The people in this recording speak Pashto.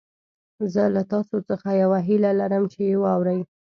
زه له تاسو څخه يوه هيله لرم چې يې واورئ.